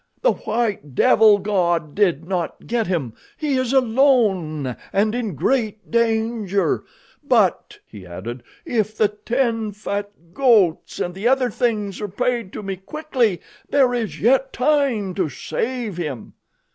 The white devil god did not get him. He is alone and in great danger; but," he added, "if the ten fat goats and the other things are paid to me quickly there is yet time to save him."